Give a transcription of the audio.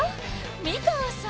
美川さん